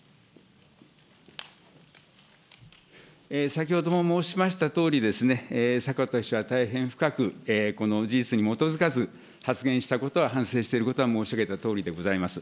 先ほども申しましたとおり、迫田秘書は大変深く、この事実に基づかず発言したことは反省していることは申し上げたとおりでございます。